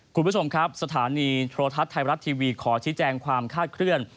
คุณผู้ชมครับสถานีโทรทัศน์ไทยรัฐทีวีขอชี้แจงความคาดเคลื่อน